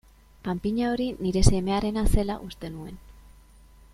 Panpina hori nire semearena zela uste nuen.